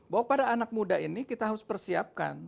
bahwa pada anak muda ini kita harus persiapkan